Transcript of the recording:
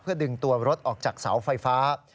เพื่อดึงตัวรถออกจากสาวไฟฟ้า